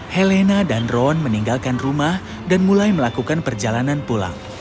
helena dan ron meninggalkan rumah dan mulai melakukan perjalanan pulang